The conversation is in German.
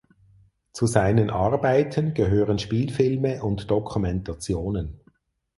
Zu seinen Arbeiten gehören Spielfilme und Dokumentationen.